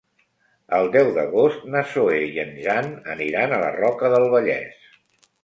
El deu d'agost na Zoè i en Jan aniran a la Roca del Vallès.